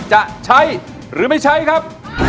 จะใช้หรือไม่ใช้ครับ